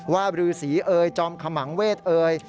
ว่ารือสีเอยจอมขมังเวทเอย